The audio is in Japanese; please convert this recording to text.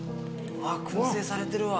薫製されてるわ。